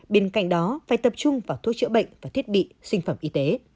bên cạnh đó phải tập trung vào thuốc chữa bệnh và thiết bị sinh phẩm y tế